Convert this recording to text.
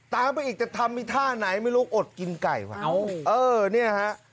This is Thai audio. ตามไปอีกแต่ทำที่ท่าไหนไม่รู้อดกินไก่วะ